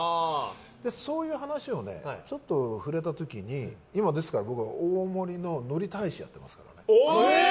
そういう話をちょっと触れた時に今、僕は大森ののり大使やってますから。